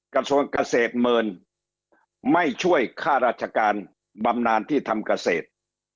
กระทรวงเกษตรเมินไม่ช่วยค่าราชการบำนานที่ทำเกษตร